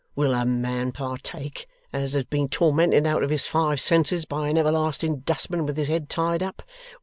WILL a man partake, as has been tormented out of his five senses by an everlasting dustman with his head tied up!